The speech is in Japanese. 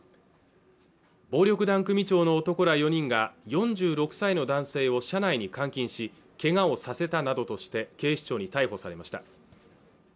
暴力団組長の男ら４人が４６歳の男性を車内に監禁しけがをさせたなどとして警視庁に逮捕されました